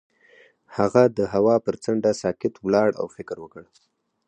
هغه د هوا پر څنډه ساکت ولاړ او فکر وکړ.